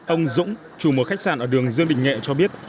ông dũng chủ một khách sạn ở đường dương đình nhẹ cho biết